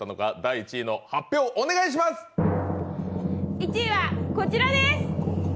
１位はこちらです。